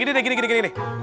yaudah gini deh gini gini gini